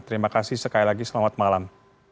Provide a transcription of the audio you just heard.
terima kasih sekali lagi selamat malam